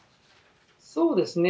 そうですね。